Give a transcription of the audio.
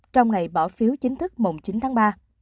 trong ngày bỏ phiếu chính thức mùng chín tháng ba